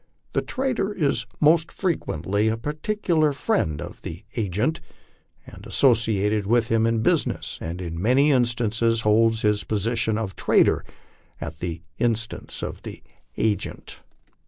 The trader is most frequently a particular friend of the agent, often associated with him in business, and in many instances holds bis position of trader at the instance of the agent.